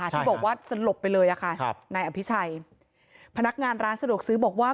ที่บอกว่าสลบไปเลยค่ะนายอภิชัยพนักงานร้านสะดวกซื้อบอกว่า